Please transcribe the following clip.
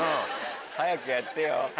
早くやってよ！